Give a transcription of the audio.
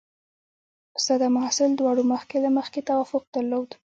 استاد او محصل دواړو مخکې له مخکې توافق درلود.